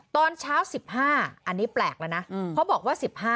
ตอนเช้า๑๕อันนี้แปลกแล้วนะเขาบอกว่า๑๕